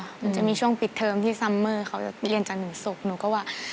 มันจะมีช่วงปิดเทิมที่ซัมเมอร์เขาจะเรียนจนหนึ่งศุกร์